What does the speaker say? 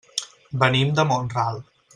Venim de Mont-ral.